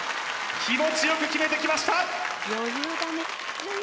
気持ちよく決めてきました！